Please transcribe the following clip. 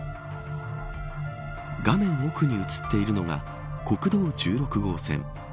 画面、奥に映っているのが国道１６号線。